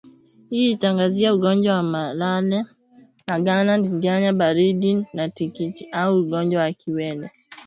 hii itaangazia ugonjwa wa malale Nagana ndigana baridi na kititi au ugonjwa wa kiwele